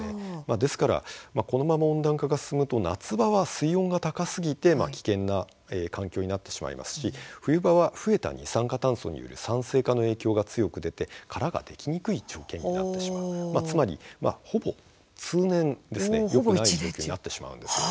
ですからこのまま温暖化が進むと夏場は水温が高すぎて危険な環境になってしまいますし冬場は増えた二酸化炭素による酸性化の影響が強く出て殻ができにくい状況になってしまって、つまりほぼ通年問題になってしまうんです。